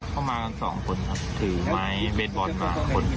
เข้ามากัน๒คนถือไม้เบสบอลมา